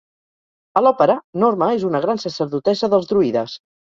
A l'òpera, norma és una gran sacerdotessa dels druides.